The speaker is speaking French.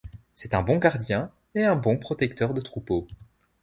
C'est un bon gardien et un bon protecteur de troupeau.